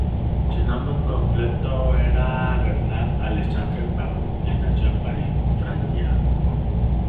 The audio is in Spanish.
Su nombre completo era Bernard Alexandre Paul, y nació en París, Francia.